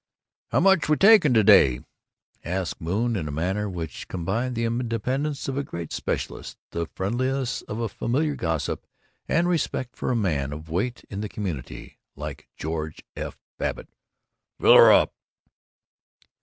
"How much we takin' to day?" asked Moon, in a manner which combined the independence of the great specialist, the friendliness of a familiar gossip, and respect for a man of weight in the community, like George F. Babbitt. "Fill 'er up."